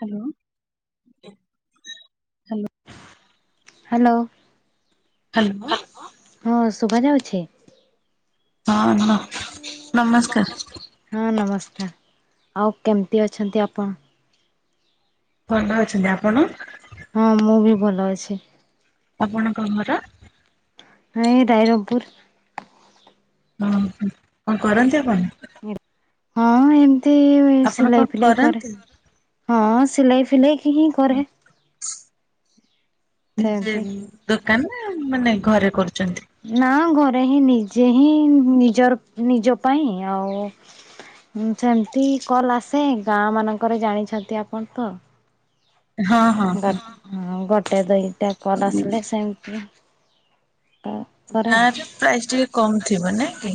Hello hello. Hello. Hello. ହଁ ଶୁଭାଯାଉଛି। ହଁ ନ ନମସ୍କାର ହଁ ନମସ୍ କା ଆଉ କେମିତି ଅଛନ୍ତି ଆପଣ? ଖଣ୍ଡା ଅଛନ୍ତି ଆପଣ? ହଁ ମୁଁ ବି ଭଲ ଅଛି। ଆପଣଙ୍କ ଘର। ହଁ ଏଇ ରାଇରଙ୍ଗପୁର। ହଁ ହଁ କଣ କରନ୍ତି ଆପଣ? ହଁ ଏମିତି ଆପଣ କଣ ସିଲେଇ ପିଲାଇ କରେ କରନ୍ତି? ହଁ ସିଲେଇ ଫିଲେଇ ଇଁହିଁ କରେ। ନିଜେ ସେମିତି ଦୋକାନରେ ମାନେ ଘରେ କରୁ ନା ଘରେ ହିଁ ନିଜେ ହିଁ ନିଜର ନିଜ ପାଇଁ ଆଉ ହଁ ସେମିତି କଲ ଆସେ ଗାଁ ମାନଙ୍କରେ ଜାଣିଛନ୍ତି ଆପଣ ତ। ହଁ ହଁ ହଁ ଗଟେ ଦୁଇଟା କଲ ଆସିଲେ ସେମିତି। କରେ। ଗାଁରେ ପ୍ରାଇସ୍ ଟିକେ କମ ଥିବ ନାଁଇକି?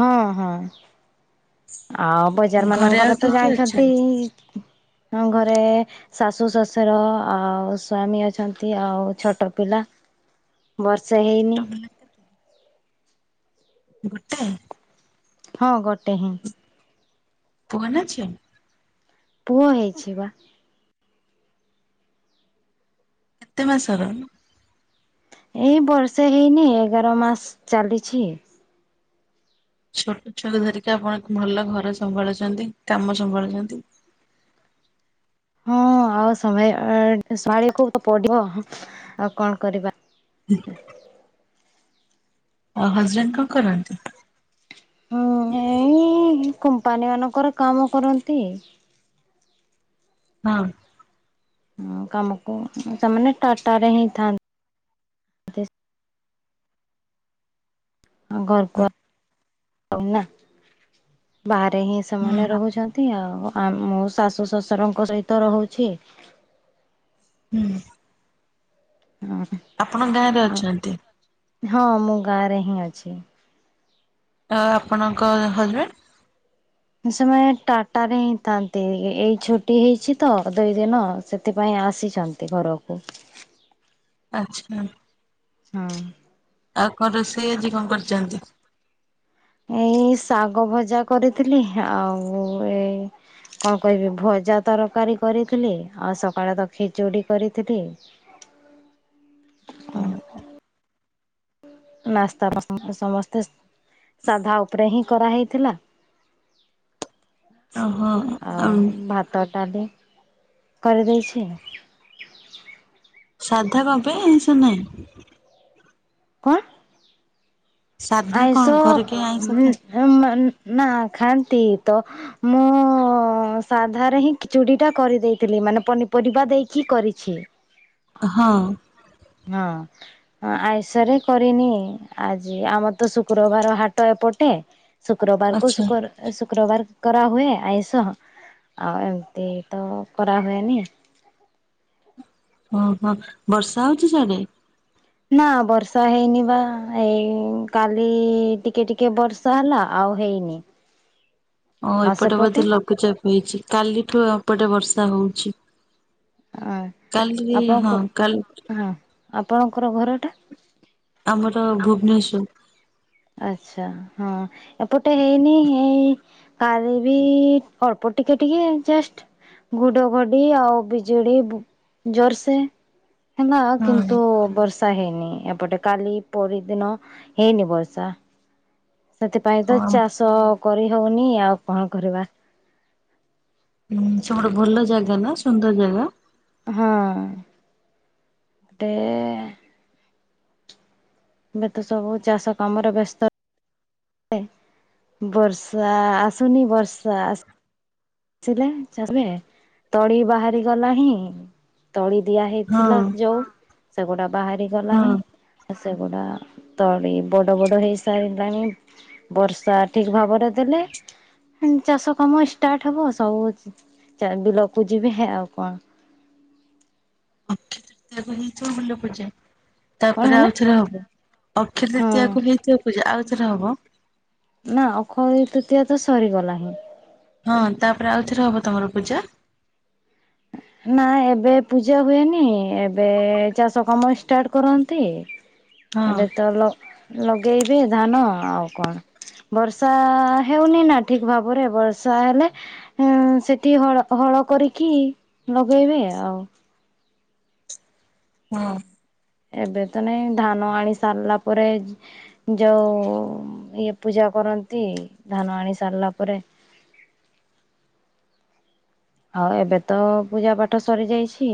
ହଁ ହଁ ଆଉ ବଜାର ଘରେ ଆଉ ମାନଙ୍କରେ ତ କିଏ କିଏ ଜାଣିଛନ୍ତି ଅଛନ୍ତି? ଇ ଆମ୍ ଘରେ ଶାଶୁ ଶଶୁର ଆଉ ସ୍ଵାମୀ ଅଛନ୍ତି ଆଉ ଛୋଟ ପିଲା। ହ [inaudible] ବର୍ଷେ ହେଇନି। ଗୋଟାଏ। ହଁ ଗୋଟେ ହିଁ। ପୁଅ ନାଁ ଝିଅ। ପୁଅ ହେଇଛି, ବା। କେତେ ମାସର? ଏଇ ବର୍ଷେ ହେଇନି, ଏଗାର ମାସ ଚାଲିଛି। ଛୋଟ ଛୁଆଙ୍କୁ ଧରିକି ଆପଣ ଭଲ ଘର ସମ୍ଭାଳୁଛନ୍ତି, କାମ ସମ୍ଭାଳୁଛନ୍ତି। ହଁ, ଆଉ ସମ୍ଭା ସମ୍ଭାଳିବାକୁ ତ ପଡିବ ଆଉ କଣ କରିବା। ଆଉ ହଜବେଣ୍ଡ କଣ କରନ୍ତି? ହୁଁ ଏଇ କମ୍ପାନୀ ମାନଙ୍କରେ କାମ କରନ୍ତି। ହଁ। ହଁ, କାମକୁ ସେମାନେ ଟାଟାରେ ହିଁ ଥାନ୍ତି। ହଁ, ଘରକୁ ଆଉନା ବାହା ରେ ହିଁ ସେମାନେ ହୁଁ। ରହୁଛନ୍ତି, ଆଉ ଆ ମୁଁ ଶାଶୁ, ଶଶୁରଙ୍କ ସହିତ ରହୁଛି। ହୁଁ। ଆପଣ ଗାଁରେ ଅଛନ୍ତି? ହଁ, ମୁଁ ଗାଁରେ ହିଁ ଅଛି। ଆ ଆପଣଙ୍କ ହଜବେଣ୍ଡ? ସେମାନେ ଟାଟାରେ ହିଁ ଥାନ୍ତି। ଏଇ ଛୁଟି ହେଇଛି ତ ଦୁଇ ଦିନ। ସେଥିପାଇଁ ଆ ଆସିଚନ୍ତି ଘରକୁ। ଆଚ୍ଛା। ହଁ ଆଉ କଣ ରୋଷେଇ ଆଜି କଣ କରିଛନ୍ତି? ଏଇ ଶାଗ ଭଜା କରିଥିଲି, ଆଉ ଏଇ କଣ କରିବି ଭଜା, ତରକାରୀ କରିଥିଲି ଆଉ ସକାଳେ ତ ଖିଚୁଡ଼ି କରିଥିଲି। ହୁଁ ଆଉ ନାସ୍ତା ପସନ୍ଦ ସମସ୍ତେ ସାଧା ଉପରେ ହିଁ କରାହେଇଥିଲା। ଓହୋ ଆଉ ଭାତ, ଡାଲି। କରିଦେଇଛି। ସାଧା କଣ ପାଇଁ ଆଇଁଷ ନାହିଁ। କଣ? ସାଧା କଣ ଆଇଁଷ ଘରେ କେହି ଆଇଁଷ ଉଁ ଖାଆନ୍ତି ଉଁ ନା ଖା ନ୍ତି ତ ମୁଁ ସାଧାରେ ହିଁ ଖିଚୁଡ଼ି ଟା କରିଦେଇଥିଲି। ମାନେ ପନିପରିବା ଦେଇକି କରିଛି। ହଁ। ହଁ ଆଇଁଷ ରେ କରିନି, ଆଜି ଆମର ତ ଶୁକ୍ରବାର ହାଟ ଏପଟେ ଶୁକ୍ରବାର କୁ ଆଚ୍ଛା। ଶକ୍ର ଶୁକ୍ରବାର କରାହୁଏ ଆଇଁଷ। ଆଉ ଏମିତି ତ କରାହୁଏନି। ଓହୋ, ବର୍ଷା ହଉଛି ସିଆଡେ? ନା ବର୍ଷା ହେଇନିବା, ଏଇ କାଲି ଟିକେ ଟିକେ ବର୍ଷା ହେଲା। ଆଉ ଆଉ ହେଇନି। ହଁ, ଆଉ ଏପଟେ ବୋଧେ ସେପଟେ ଲଘୁଚାପ ହେଇଛି। କାଲିଠୁ ଏପଟେ ବର୍ଷା ହଉଛି। ଆ କାଲି ଆପଣଙ୍କ ହଁ କାଲି। ହଁ ଆପଣଙ୍କର ଘରଟା? ଆମର ଭୁବନେଶ୍ଵର। ଆଚ୍ଛା, ହଁ ଏପଟେ ହେଇନି। ଏଇ ପାଣି ବି ଅଳ୍ପ ଟିକେ, ଟିକେ ଜଷ୍ଟ ଘଡଘଡି ଆଉ ବିଜୁଳି ଜୋରସେ ହେଲା ହଁ। କିନ୍ତୁ, ବର୍ଷା ହେଇନି ଏପଟେ କାଲି ପରଦିନ ହେଇନି ବ ର୍ଷା ସେଥିପାଇଁ ତ ହଁ ଚାଷ କରି ହଉନି ଆଉ କଣ କରିବା? ହୁଁ ସେପଟେ ଭଲ ଜାଗା ନା ସୁନ୍ଦର ଜାଗା? ହୁଁ ଏପଟେ ଏବେ ତ ସବୁ ଚାଷ କାମରେ ବ୍ୟସ୍ତ। ବର୍ଷା ଆସୁନି ବର୍ଷା ଆ ଆସିଲେ ଚାଷ ଏବେ ତଳି ବାହାରି ଗଲା ହିଁ ତଳି ଦିଆ ହେଇଥିଲା ହଁ ଯୋଉ ସେଗୁଡ଼ା ବାହାରି ଗଲାଣି। ହଁ। ସେଗୁଡା ତଳି ବଡ଼ ବଡ଼ ହେଇ ସାରିଲାଣି ବର୍ଷା ଠିକ ଭାବରେ ଦେଲେ [inaudible] ଚାଷ କାମ ଷ୍ଟାର୍ଟ ଟ ହବ ସବୁ ଚା ବିଲକୁ ଯିବେ ହେ ଆଉ କଣ? [unintelligible] କଣ ତାପରେ ହେଲା ଆଉଥରେ ହବ ଅକ୍ଷ ହଁ ତୃତୀୟକୁ ହେଇଥିବ ପୂଜା ଆଉଥରେ ହବ। ନା ଅଖଇ ତୃତିଆ ତ ସରିଗଲା ହିଁ। ହଁ ତାପରେ ଆଉଥରେ ହବ ତମର ପୂଜା? ନା ଏବେ ପୂଜା ହୁଏନି ଏବେ ଚାଷ କାମ ଷ୍ଟାର୍ଟ କରନ୍ତି। ହଁ। ଏବେ ତ ଲ ଲଗେଇବେ ଧାନ ଆଉ କଣ? ବର୍ଷା ହେଉନି ନା ଠିକ ଭାବରେ ବର୍ଷା ହେଲେ ସେଠି ହଳ ହ ଳ କରିକି ନଗେଇବେ ଆଉ। ହଁ। ଏବେ ତ ନାଇଁ ଧାନ ଆଣି ସାରିଲା ପରେ ଯ ଯଉ ଇଏ ପୂଜା କରନ୍ତି ଧାନ ଆଣି ସାରିଲା ପରେ। ହଁ ଏବେ ତ ପୂଜା ପାଠ ସରି ଯାଇଛି।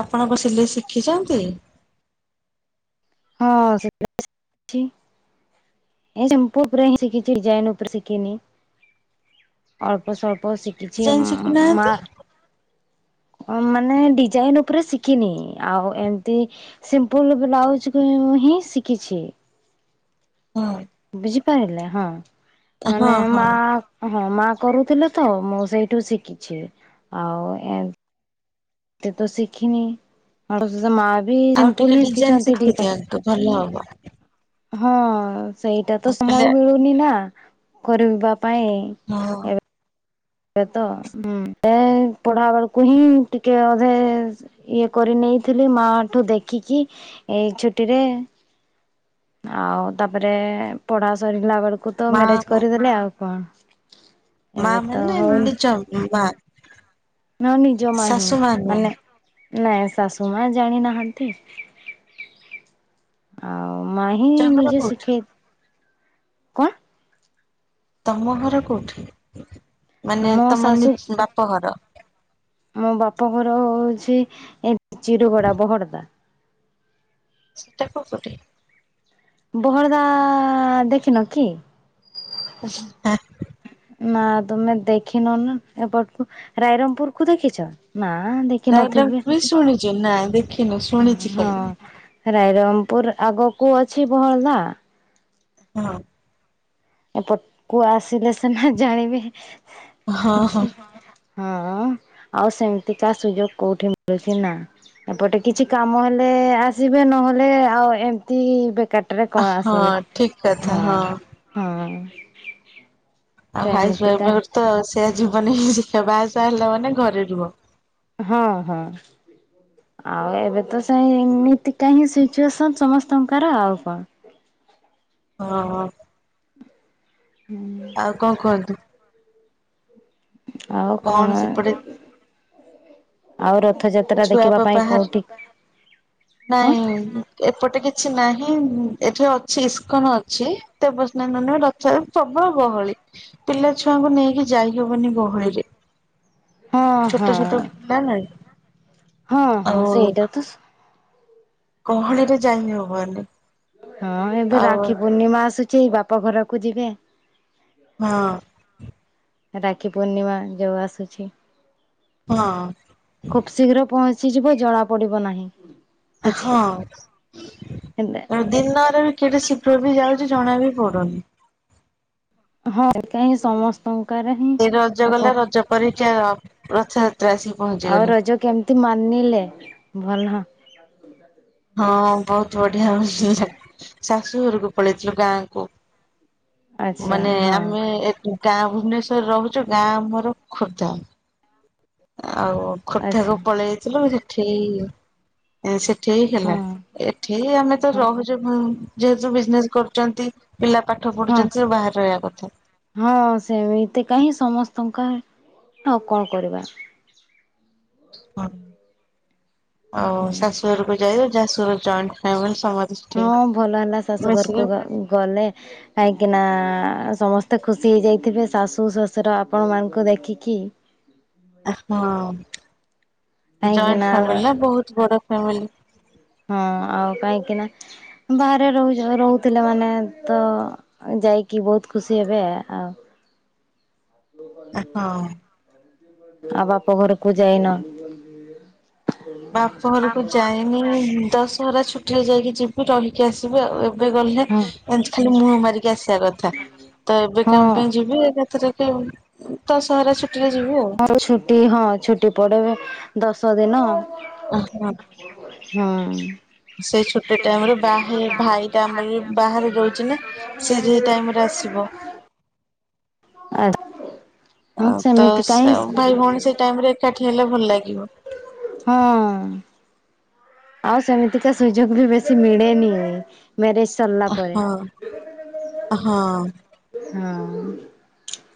ଆପଣ କଣ ସିଲେଇ ଶିଖିଛନ୍ତି? ହଁ ସିଲେଇ ଶିଖିଛି। ଏ ଶମ୍ପୁ ଉପରେ ହ ସିଖିଛି ଡ଼ିଜାଇନ ଉପରେ ସିଖିନି ଅଳ୍ପ ଅଳ୍ପ ସିକିଛି ଯାଏଁ ମା ଶିଖୁନାହାନ୍ତି। ମାନେ ଡ଼ିଜାଇନ ଉପରେ ଶିଖିନି ଆଉ ଏମତି ସିମ୍ପୁଲ ବ୍ଲାଉଜ ହିଁ ଶିଖିଛି। ହଁ। ବୁଝିପାରିଲେ ହଁ ହଁ ମାନେ ମା ହଁ ହଁ ମା କରୁଥିଲେ ତ ମୁଁ ସେଇଠୁ ଶିଖିଛି ଆଉ ଏମ ତେ ତ ସିଖିନି ହ ମା ବି ବି ଆଉ ସିମ୍ପୁଲ ଟିକେ ହିଁ ଡିଜାଇନ ଶିଖିଛନ୍ତି ଡ଼ିଜାଇନ। ଶିଖିଦିଅନ୍ତୁ ଭଲ ହବ ହଁ ସେଇଟା ତ ମୁଁ କହିଲି ସମୟ ମିଳୁନି ନା କରିବା ପାଇଁ। ହଁ। ଏ ତ ଏ ପଢ଼ା ବେଳକୁ ହିଁ ଟିକେ ଅଧେ ଇଏ କରିନି ନେଇଥିଲି ମା ଠୁ ଦେଖିକି ଏଇ ଛୁଟି ରେ ଆଉ ତାପରେ ପଢ଼ା ସରିଲା ବେଳକୁ ତ ମା ମ୍ୟାରେଜ କରିଦେଲେ ଆଉ କଣ? ମା ଏବେ ତ ମାନେ ନିଜ ବା ନା ନିଜ ମା ହିଁ ମାନେ ନାଇଁ ଶାଶୁ ମା ଜାଣିନାହାନ୍ତି, ଆଉ ମା ନିଜ ହିିଁ ଘର ନିଜେ କୋଉଠି ଶିଖେଇ କଣ? ତମ ଘର କୋଉଠି? ମାନେ ମୋ ତମ ନି ଶାଶୂ [unintelligible] ବାପ ଘର? ମୋ ବା ପଘର ହଉଛି ଏ ଚିରୁଗୁଡ଼ା ବହରଦା। ସେଟା କୋଉ ପଟେ? ବହରଦା ଦେଖିନ କି? ଆ। ନା ତୁମେ ଦେଖିନ ନା ଏପଟକୁ, ରାଇରଙ୍ଗପୁରକୁ ଦେଖିଛ? ନା ଦେଖ ଡାଇଗ୍ରାମ ନଥିବି, ଟ୍ରି ଶୁଣିଛୁ ନାଇଁ ଦେଖିନୁ ଶୁଣିଛି ହୁଁ ହଁ ଖାଲି। ଆ ରାଇରଙ୍ଗପୁର, ଆଗକୁ ଅଛି ବହଳଦା। ହଁ। ଏପଟକୁୁ ଆସିଲେ ସିନା ଜାଣିବେ ହଁ ହଁ କିଛି। ହଁ ଆଉ ସେମିତିକା ସୁଯୋଗ କୋଉଠି ମିଳୁଛି ନା? ଏପଟେ କିଛି କାମ ହେଲେ ଆସିବେ ନହେଲେ ଆଉ ଏମିତି ବେ କାରଟାରେ କଣ ହଁ ଆସିବେ ଠିକ କଥା ହଁ ହଁ। ଆଉ ଭାଇ ସେମିତିକା [unintelligible] ତ ଆ ସେ ଯିବନି ଦେଖିବା ବାହାସାହା ହେଲା ମାନେ ଘରେ ରୁହ। ହଁ ହଁ। ଆଉ ଏବେ ତ ସେ ଏମିତିକା ହିଁ ସିଚୁଏସନ ସମସ୍ତଙ୍କର ଆଉ କଣ? ଅ ହ। ଆଉ କଁ କୁହନ୍ତୁ? ଆଉ କଣ ଆଉ ରତ ଛୁଆ ବା ବାହାର କଣ? ନାଇଁ ଏପଟେ କିଛି ନାହିଁ ଏଠି ଅଛି ଇସ୍କନ ଅଛି ଦେବସ୍ନାନ [unintelligible] ରଥଯାତ୍ରା ପ୍ରବଳ ଗହଳି, ପିଲା ଛୁଆ ଙ୍କୁ ନେଇକି ଯାଇ ହବନି ଗହଳିରେ, ହଁ ଛୋଟ ହଁ ଛୋଟ ପିଲା ନା। ହଁ ଆଉ ହଁ ସେଇଟା ତ ସ ଗହଳିରେ ଯାଇ ହବନି। ହଁ ଏବେ ଆଉ ରାକ୍ଷୀ ପୂର୍ଣ୍ଣିମା ଆସୁଛି ବାପା ଘରକୁ ଯିବେ। ହଁ। ରାକ୍ଷୀ ପୂର୍ଣ୍ଣିମା ଯୋଉ ଆସୁଛି, ହଁ ଖୁବ ଶୀଘ୍ର ପହଞ୍ଚ ଞ୍ଚି ଯିବ, ଜଣା ପଡିବ ନାହିଁ। କିଛି। ହଁ ହେଲେ ଦିନ ଗୁରା ବି କେଡେ ଶିଘ୍ର ବି ଯାଉଛି ଜଣା ବି ପଡୁନି। ହଁ ଏକା ହିଁ ସମ ଏଇ ରଜ ଗଲା, ରଜ ପରେ [unintelligible] ରଥ ଆଉ ରଜ କେମିତି ମାନିଲେ ଭଲ? ହଁ ବହୁତ ବଢିଆ ହଉଚି ଶାଶୁଘରକୁ ପଳେଇଥିଲୁ ଗାଁକୁ। ଆଚ୍ଛା ମାନେ ହଁ ଆମେ ଏଠୁ ଟା ଗାଁ ଭୁବନେଶ୍ୱରରେ ରହୁଚୁ ଗାଁ ଆମର ଖୋର୍ଦ୍ଧା। ଆଉ ଖୋର୍ଦ୍ଧାକୁ ଆଚ୍ଛା। ପଳେଇ ଆଇଥିଲୁ ସେଠି ଏଁ ସେ ଠି ହେଲା ହଁ ଏଠି ଆମେ ତ ହଁ ରହୁଛୁ ଯେହେତୁ ବିଜନେସ କରୁଚନ୍ତି। ହଁ ହଁ ସେଇଆ ବା ଏତେ କାହିଁ ସମ ଟଙ୍କା ଆଉ କଁ କରିବା। ହଁ ଆଉ ଶାଶୁ ଘରକୁ ଯାଏ ଯାଶୁ ଘର ଜଏଣ୍ଟ ଫାମିଲ ହଁ ଭଲ ହେଲା ଶାଶୁ ଘରୁକୁ ଗ ଗଲେ କାହିଁକି ନା ଆଁ ସମସ୍ତେ ଖୁସି ହେଇଯାଇଥିବେ ଶାଶୁ ଶଶୁର ଆପଣ ମାନଙ୍କୁ ଦେଖିକି। ଆଁହଁ ଜଏଣ୍ଟେ ଫ୍ୟାମିଲି ନା ବୋହୁତ ବଡ ଫ୍ୟାମିଲି। ହଁ ଆଉ କାହିଁକି ନା ବାହାରେ ରୋହୁଚ ରୋହୁଥିଲ ମାନେ ତ ଯାଇକି ବୋହୁତ ଖୁସି ହେବେ ଆଉ। ହଁ। ଆଉ ବାପ ଘରୁକୁ ଯାଇନ। ବାପ ଘରୁକୁ ଯାଇନି ଦଶହରା ଛୁଟିରେ ଯାଇକି ଯିବି ରହିକି ଆସିବି ଆଉ ଏ ଏବେ ଗଲେ ହଁ ଏନ୍ତି ଖାଲି ମୁହଁ ମାରିକି ଆସିବା କଥା ତ ଏବେ ହଁ କାଁଣ ପାଇଁ ଯିବି ଏକାଥରେ। ଯିବ୍ ଦଶହରା ଛୁ ଆଉ ଛୁଟି ହଁ ଛୁଟି ପଡ଼େବେ ଦଶ ଦିନ। ଅହଁ। ହଁ ସେ ଛୁଟି ଟାଇମରେ ବାହେ ଭାଇଟା ଆମର ବି ବାହାରେ ରୋହୁଚି ନା ସେ ବି ଏଇ ଟାଇମରେ ଆସିବ। ଆ ଅ ହଁ ତ ସେମିତି କାହିଁ ସ ଭାଇ ଭୋଉଣୀ ସେଇ ଟାଇମରେ ଏକାଠି ହେଲେ ଭଲ ଲା ହଁଅଁ। ଆଉ ସେମିତିକା ସୁଯୋଗ ବି ବେଶୀ ମିଳେନି। ମ୍ୟାରେଜ୍ ସରିଲା ପରେ ହଁ ହଁ ହୁଁ।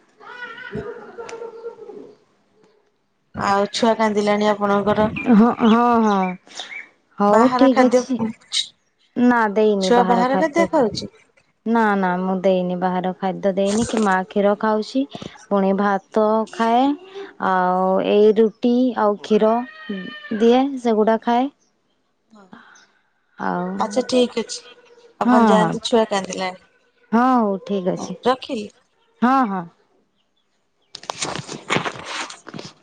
[unintelligible] ଆଉ ଆଉ ମୋ ଛୁଆ କାନ୍ଦିଲାଣି ଆପଣଙ୍କର କାନ୍ଦିଲାଣି। [unintelligible] ହୋଉ ବାହାର ଠିକ ଖାଦ୍ୟ ଅଛି ନା ଦେଇନି ବାହାର ଖାଦ୍ୟ। ନାଁ ନାଁ ମୁଁ ଦେଇନି ବାହାର ଖାଦ୍ୟ ଦେଇନି କି ମାଆ କ୍ଷୀର ଖାଉଚି ପୁଣି ଭାତ୍ ତ ଖାଏ ଆଉ ଏଇ ରୁ ଟି ଆଉ କ୍ଷୀର ଦିଏ ସେଗୁଡ଼ା ଖାଏ। ଆଉ ଆଚ୍ଛା ଠିକ ଅଛି ହଁ ଆପଣ ହଁ। ଯାଆନ୍ତୁ ଛୁଆ କାନ୍ଦିଲାଣି ହଁ ହୋଉ ଠିକ ଅଛି। ରଖିଲି। ହଁ ହଁ। [inaudible]